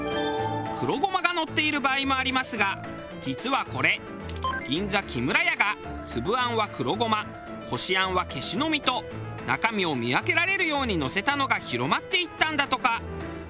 黒ごまがのっている場合もありますが実はこれ銀座木村家が粒あんは黒ごまこしあんはケシの実と中身を見分けられるようにのせたのが広まっていったんだとか。